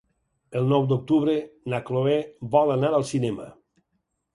El nou d'octubre na Chloé vol anar al cinema.